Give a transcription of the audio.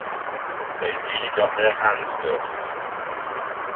They really got their hands dirty.